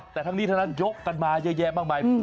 แต่ทั้งนี้ทั้งนั้นยกกันมาเยอะแยะมากมาย